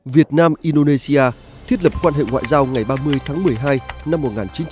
việt nam indonesia thiết lập quan hệ ngoại giao ngày ba mươi tháng một mươi hai năm một nghìn chín trăm bảy mươi